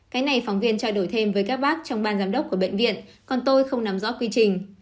cái này phóng viên trao đổi thêm với các bác trong ban giám đốc của bệnh viện còn tôi không nắm rõ quy trình